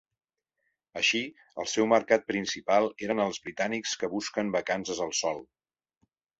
Així, el seu mercat principal eren els britànics que busquen vacances al sol.